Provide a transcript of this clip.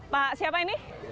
pak siapa ini